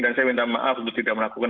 dan saya minta maaf untuk tidak melakukan